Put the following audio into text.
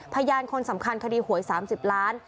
พยานคนสำคัญคดีหวย๓๐ล้าน